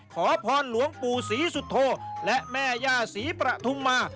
ขอพรหลวงปู่ศรีสุโธและแม่ย่าศรีประทุมมา